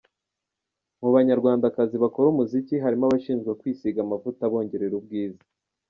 Mu Banyarwandakazi bakora umuziki, harimo abashinjwa kwisiga amavuta abongerera ubwiza.